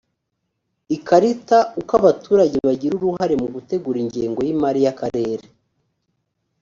ikarita uko abaturage bagira uruhare mu gutegura ingengo y imari y akarere